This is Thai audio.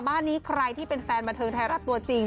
บ้านนี้ใครที่เป็นแฟนบันเทิงไทยรัฐตัวจริง